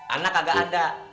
anak agak ada